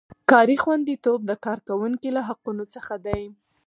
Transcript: کاري خوندیتوب د کارکوونکي له حقونو څخه دی.